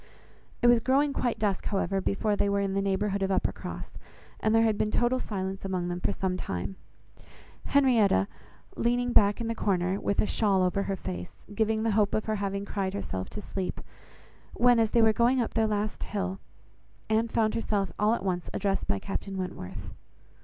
It was growing quite dusk, however, before they were in the neighbourhood of Uppercross, and there had been total silence among them for some time, Henrietta leaning back in the corner, with a shawl over her face, giving the hope of her having cried herself to sleep; when, as they were going up their last hill, Anne found herself all at once addressed by Captain Wentworth.